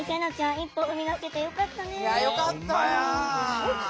一歩踏み出せてよかったね。